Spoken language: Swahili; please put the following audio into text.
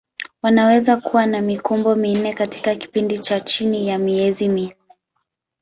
Wanaweza kuwa na mikumbo minne katika kipindi cha chini ya miezi minne.